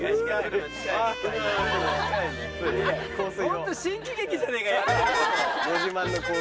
ホント新喜劇じゃねえかやってる事。